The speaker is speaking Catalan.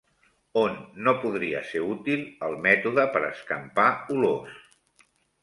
On no podria ser útil el mètode per escampar olors?